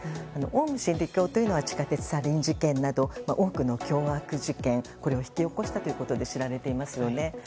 オウム真理教というのは地下鉄サリン事件など多くの凶悪事件を引き起こしたことで知られていますよね。